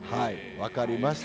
分かりました。